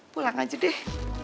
pulang aja deh